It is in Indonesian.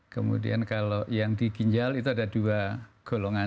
kemudian kalau yang di ginjal itu ada dua golongan